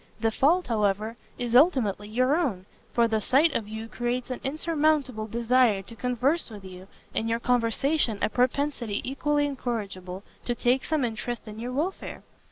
The fault, however, is ultimately your own, for the sight of you creates an insurmountable desire to converse with you, and your conversation a propensity equally incorrigible to take some interest in your welfare."